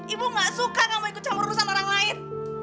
ibu gak suka kamu ikut campur urusan orang lain